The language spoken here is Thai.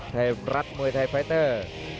ไทยรัฐมวยไทยไฟเตอร์